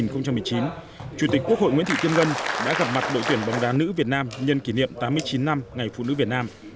chủ tịch quốc hội nguyễn thị kim ngân đã gặp mặt đội tuyển bóng đá nữ việt nam nhân kỷ niệm tám mươi chín năm ngày phụ nữ việt nam